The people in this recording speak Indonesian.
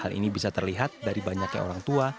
hal ini bisa terlihat dari banyaknya orang tua